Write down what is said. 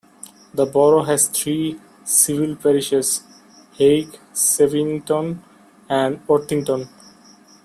The borough has three civil parishes: Haigh, Shevington and Worthington.